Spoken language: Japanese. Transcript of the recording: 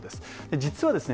実はですね